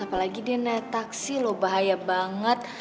apalagi dia naik taksi loh bahaya banget